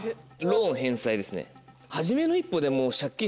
ローン返済ですね。